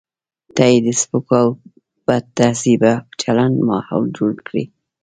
نه یې د سپکو او بدتهذیبه چلن ماحول جوړ کړي.